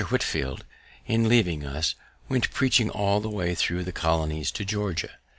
Whitefield, in leaving us, went preaching all the way thro' the colonies to Georgia.